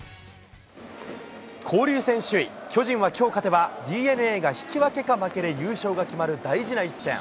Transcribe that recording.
交流戦首位巨人はきょう勝てば、ＤｅＮＡが引き分けか負けで優勝が決まる大事な一戦。